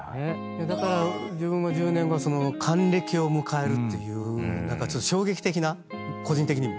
だから自分も１０年後還暦を迎えるっていう何かちょっと衝撃的な個人的にも。